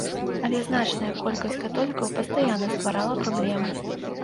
Але значная колькасць каталікоў пастаянна стварала праблемы.